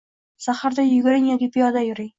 Saharda yuguring yoki piyoda yuring.